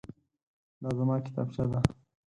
دا زما کتابچه ده.